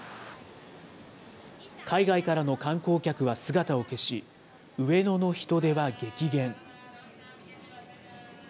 海外からの観光客は姿を消し、上野の人出が激減。